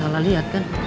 gua salah liat kan